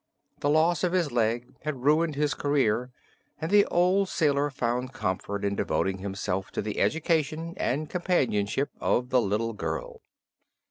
The loss of his leg had ruined his career and the old sailor found comfort in devoting himself to the education and companionship of the little girl.